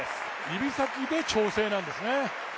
指先で調整なんですね。